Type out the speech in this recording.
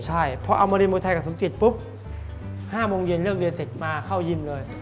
ใช่พอเอามาเรียนมวยไทยกับสมจิตปุ๊บ๕โมงเย็นเลิกเรียนเสร็จมาเข้ายิมเลย